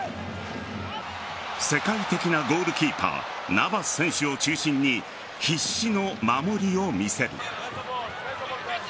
世界的なゴールキーパーナヴァス選手を中心に必死の守りを見せる。